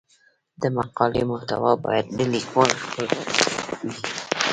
د مقالې محتوا باید د لیکوال خپل وي.